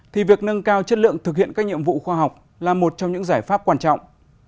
thì việc nâng cao chất lượng thực hiện các nhiệm vụ khoa học là một trong những giải pháp quan trọng